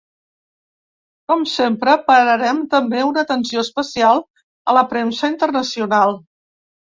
Com sempre pararem també una atenció especial a la premsa internacional.